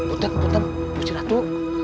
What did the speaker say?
buten buten musti ratu